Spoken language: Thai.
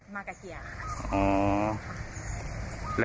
มากับเกลี่ยครับ